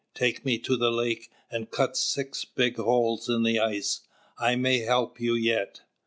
Take me to the lake, and cut six big holes in the ice. I may help you yet."